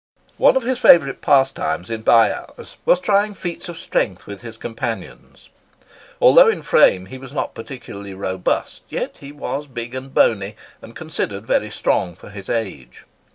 One of his favourite pastimes in by hours was trying feats of strength with his companions. Although in frame he was not particularly robust, yet he was big and bony, and considered very strong for his age.